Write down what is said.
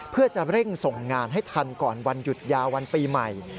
เพื่อจะเร่งส่งงานให้ทันก่อนวันหยุดยาววันปีใหม่